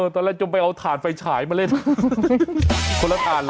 ตอนแรกจงไปเอาถ่านไฟฉายมาเล่นคนละถ่านเหรอ